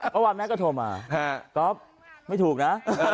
เมื่อวานแม่ก็โทรมาก๊อฟไม่ถูกนะ